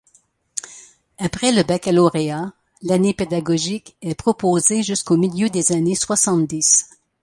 Après le baccalauréat l’année pédagogique est proposée jusqu’au milieu des années soixante dix.